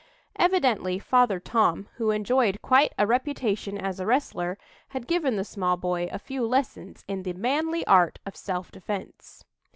Evidently Father Tom, who enjoyed quite a reputation as a wrestler, had give the small boy a few lessons in "the manly art of self defense."